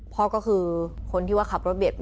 พ่อก็คือคนที่ว่าขับรถเบียด